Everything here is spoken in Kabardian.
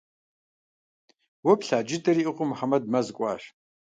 Уэ плъа джыдэр иӏыгъыу Мухьэмэд мэз кӏуащ.